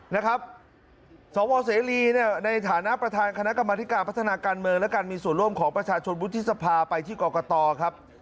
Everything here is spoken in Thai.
นะครับสวเสรีเนี่ยในฐานะประธานคณะกรรมธิการพัฒนาการเมืองและการมีส่วนร่วมของประชาชนวุฒิสภาไปที่กรกตครับ